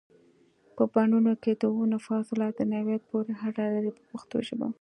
په بڼونو کې د ونو فاصله د نوعیت پورې اړه لري په پښتو ژبه.